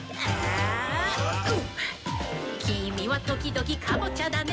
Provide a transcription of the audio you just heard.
「きみはときどきカボチャだね」